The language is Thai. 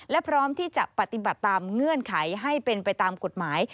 และพร้อมที่จะปฏิบัติตามเงื่อนไขให้เป็นไปตามกฎหมาย